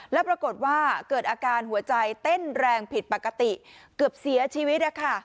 แล้วปรากฏว่าเกิดอาการหัวใจเต้นแรงผิดปกติเกือบเสียชีวิต